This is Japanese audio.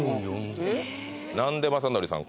何で雅紀さん